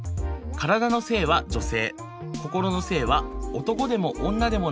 体の性は女性。